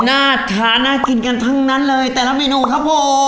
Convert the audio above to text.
น่าทานน่ากินกันทั้งนั้นเลยแต่ละเมนูครับผม